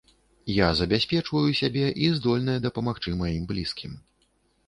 Я забяспечваю сябе і здольная дапамагчы маім блізкім.